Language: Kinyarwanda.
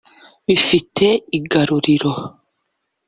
bifite igaruriro